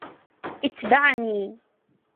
إتبعني!